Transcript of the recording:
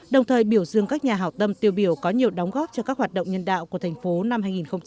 đồng thời biểu dương các nhà hào tâm tiêu biểu có nhiều đóng góp cho các hoạt động nhân đạo của thành phố năm hai nghìn một mươi chín